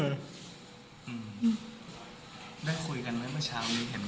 อ้าว